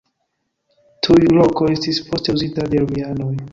Tiu loko estis poste uzita de romianoj.